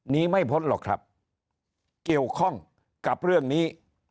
หนีไม่พ้นหรอกครับเกี่ยวข้องกับเรื่องนี้